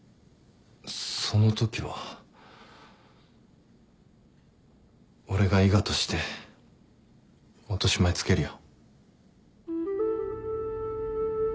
そのときは俺が伊賀として落としまえつけるよ。